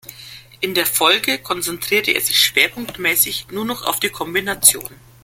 In der Folge konzentrierte er sich schwerpunktmäßig nur noch auf die Kombination.